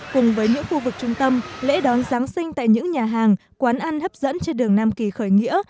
cùng với những khu vực trung tâm lễ đón giáng sinh tại những nhà hàng quán ăn hấp dẫn trên đường nam kỳ khởi nghĩa